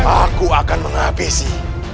aku akan menghabisi